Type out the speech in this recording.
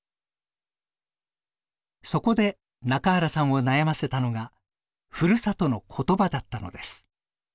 そこで中原さんを悩ませたのがふるさとのことばだったのです。